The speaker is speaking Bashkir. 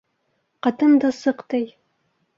Ҡатын да сыҡ ти.